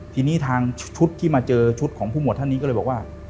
ทีนี้ทางชุดที่มาเจอชุดของผู้หวดท่านนี้ก็เลยบอกว่า